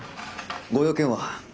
ご用件は？